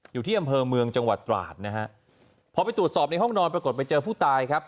อยู่ที่อำเภอเมืองจังหวัดตราดนะฮะพอไปตรวจสอบในห้องนอนปรากฏไปเจอผู้ตายครับ